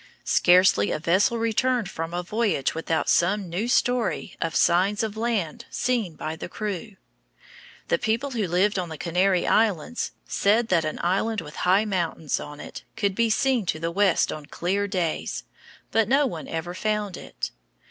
Scarcely a vessel returned from a voyage without some new story of signs of land seen by the crew. The people who lived on the Canary Islands said that an island with high mountains on it could be seen to the west on clear days, but no one ever found it.